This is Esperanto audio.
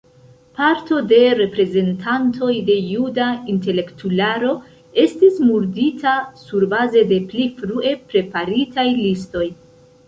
Parto de reprezentantoj de juda intelektularo estis murdita surbaze de pli frue preparitaj listoj.